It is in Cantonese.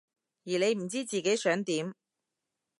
而你唔知自己想點？